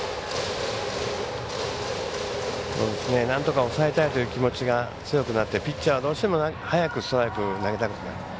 なんとか抑えたいという気持ちが強くなってピッチャーどうしても早くストライク投げたかった。